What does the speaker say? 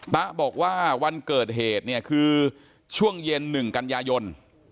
ตะบอกว่าวันเกิดเหตุเนี่ยคือช่วงเย็น๑กันยายน